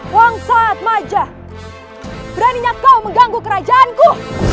wangsat majah beraninya kau mengganggu kerajaanku